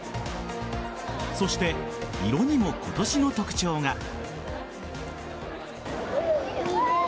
そして、色にも今年の特徴が。